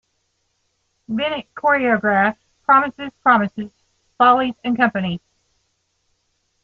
Bennett choreographed "Promises, Promises", "Follies" and "Company".